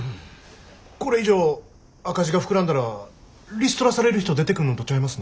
これ以上赤字が膨らんだらリストラされる人出てくんのとちゃいますの？